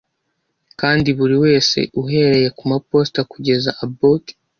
kandi buriwese uhereye kumaposita kugeza abot